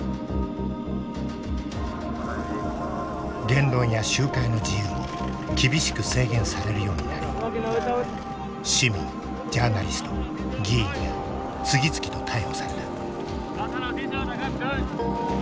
言論や集会の自由も厳しく制限されるようになり市民ジャーナリスト議員が次々と逮捕された。